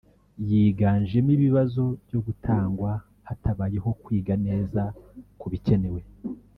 yiganjemo ibibazo byo gutangwa hatabayeho kwiga neza ku bikenewe